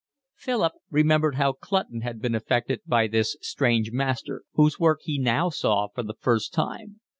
Philip remembered how Clutton had been affected by this strange master, whose work he now saw for the first time.